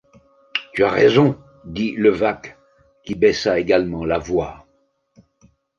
Tu as raison, dit Levaque, qui baissa également la voix.